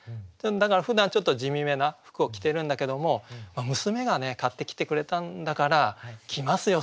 だからふだんちょっと地味めな服を着てるんだけども娘が買ってきてくれたんだから着ますよ